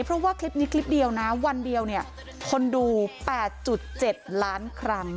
เพราะว่าคลิปนี้คลิปเดียวนะวันเดียวเนี่ยคนดู๘๗ล้านครั้ง